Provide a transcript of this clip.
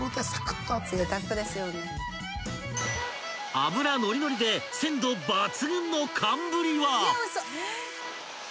［脂ノリノリで鮮度抜群の寒ぶりは］